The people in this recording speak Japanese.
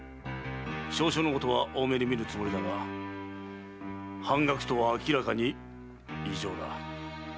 少々のことは大目に見ようが半額とはあきらかに異常だ。